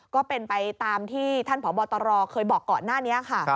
ก็เป็นไปตามที่ท่านพบตรเคยบอกก่อนหน้านี้ค่ะ